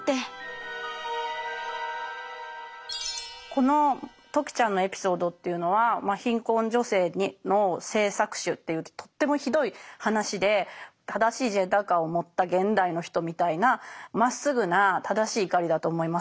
この時ちゃんのエピソードというのは貧困女性の性搾取っていうとってもひどい話で正しいジェンダー観を持った現代の人みたいなまっすぐな正しい怒りだと思います。